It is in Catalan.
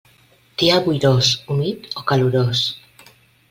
Dia boirós, humit o calorós.